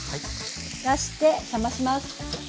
出して冷まします。